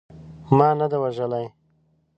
ما نه ده وژلې.